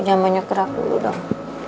jangan banyak gerak dulu dong